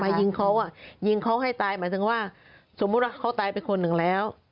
ยิงเขาอ่ะยิงเขาให้ตายหมายถึงว่าสมมุติว่าเขาตายไปคนหนึ่งแล้ว